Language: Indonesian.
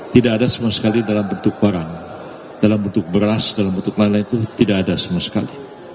tidak ada sama sekali dalam bentuk barang dalam bentuk beras dalam bentuk lain lain itu tidak ada sama sekali